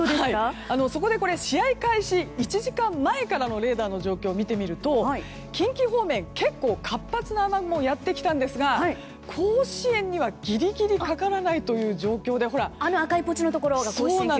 試合開始１時間前からのレーダーの状況を見てみると近畿方面には結構、活発な雨雲がやってきたんですが甲子園にはギリギリかからないという状況で赤いポチのところが甲子園球場。